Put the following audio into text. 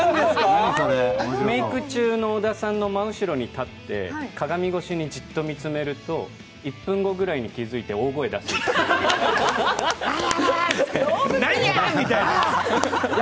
メイク中の小田さんの真後ろに立って鏡越しにじっと見つめると１分後ぐらいに気付いて、大声を出すという。